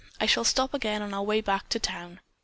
I shall stop again on our way back to town."